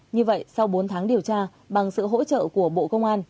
như vậy sau bốn tháng điều tra bằng sự hỗ trợ của bộ công an